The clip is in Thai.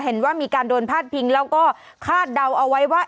เห็นว่ามีการโดนพาดพิงแล้วก็คาดเดาเอาไว้ว่า